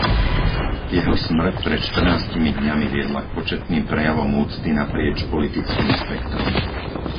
Jeho smrť pred štrnástimi dňami viedla k početným prejavom úcty naprieč politickým spektrom.